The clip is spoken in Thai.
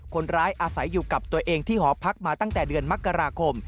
คนร้ายอาศัยอยู่กับตัวเองที่หอพักมาตั้งแต่เดือนมกราคม